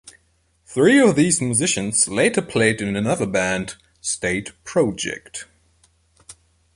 Three of these musicians later played in another band, State Project.